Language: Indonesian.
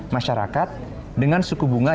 masyarakat dengan suku bunga